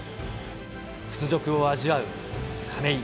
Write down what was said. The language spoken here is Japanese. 屈辱を味わう亀井。